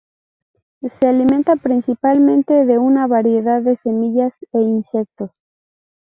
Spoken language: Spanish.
Se alimenta principalmente de una variedad de semillas e insectos.